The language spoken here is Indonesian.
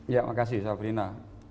ya makasih sabrina